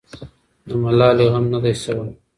د ملالۍ غم نه دی سوی.